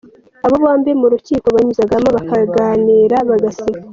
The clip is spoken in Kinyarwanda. Aba bombi mu rukiko banyuzaga bakaganira bagaseka.